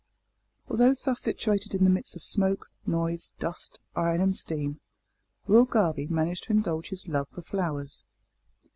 Although thus situated in the midst of smoke, noise, dust, iron, and steam, Will Garvie managed to indulge his love for flowers.